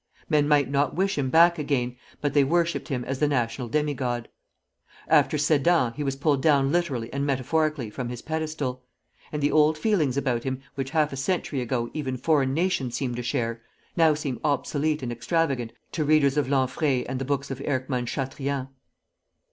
Men might not wish him back again, but they worshipped him as the national demigod. After Sedan he was pulled down literally and metaphorically from his pedestal; and the old feelings about him which half a century ago even foreign nations seemed to share, now seem obsolete and extravagant to readers of Lanfrey and the books of Erckmann Chatrian.